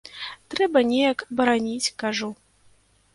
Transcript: Трэба неяк бараніць!- кажу.